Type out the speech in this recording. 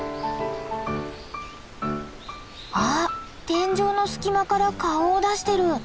あっ天井の隙間から顔を出してる。